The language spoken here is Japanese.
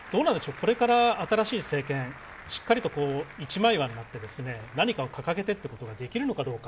これから新しい政権しっかりと一枚岩になって、何かを掲げてってことができるのかどうか。